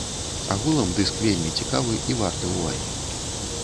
Агулам дыск вельмі цікавы і варты ўвагі.